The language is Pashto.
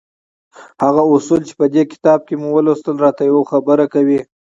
هغه اصول چې په دې کتاب کې مو ولوستل را ته يوه خبره کوي.